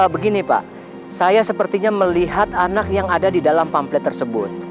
begini pak saya sepertinya melihat anak yang ada di dalam pamplet tersebut